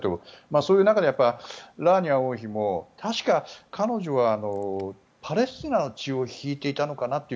そういう中でラーニア王妃も確か彼女はパレスチナの血を引いていたのかなと。